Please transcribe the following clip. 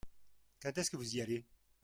Quand est-ce que vous y allez ?